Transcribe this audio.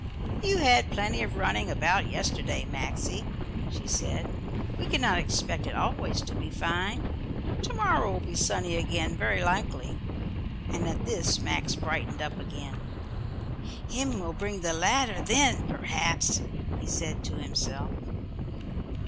"You had plenty of running about yesterday, Maxie," she said. "We cannot expect it always to be fine. To morrow will be sunny again very likely," and at this Max brightened up again. "Him will bring the ladder then, perhaps," he said to himself.